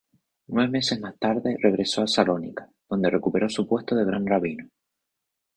Nueve meses más tarde regresó a Salónica, donde recuperó su puesto de gran rabino.